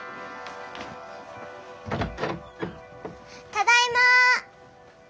ただいま。